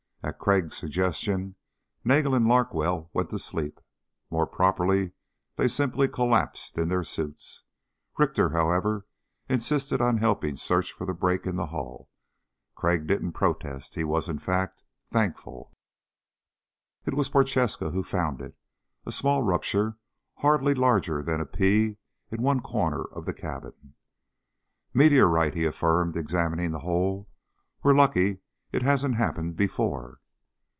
At Crag's suggestion Nagel and Larkwell went to sleep. More properly, they simply collapsed in their suits. Richter, however, insisted on helping search for the break in the hull. Crag didn't protest; he was, in fact, thankful. It was Prochaska who found it a small rupture hardly larger than a pea in one corner of the cabin. "Meteorite," he affirmed, examining the hole. "We're lucky it hasn't happened before."